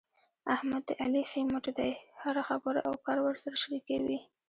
احمد د علي ښی مټ دی. هره خبره او کار ورسره شریکوي.